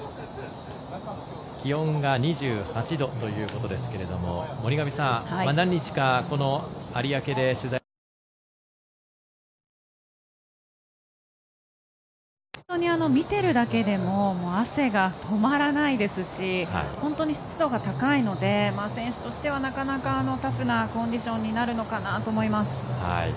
気温が２８度ということですけれども森上さん見ているだけでも汗が止まらないですし本当に湿度が高いので選手としてはなかなかタフなコンディションになるのかなと思います。